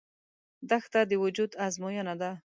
دښته د وجود ازموینه ده.